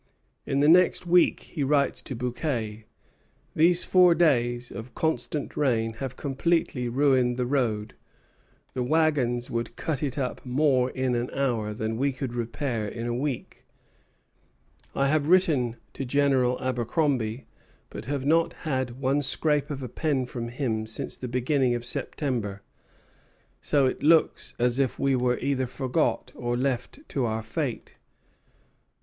In the next week he writes to Bouquet: "These four days of constant rain have completely ruined the road. The wagons would cut it up more in an hour than we could repair in a week. I have written to General Abercromby, but have not had one scrape of a pen from him since the beginning of September; so it looks as if we were either forgot or left to our fate."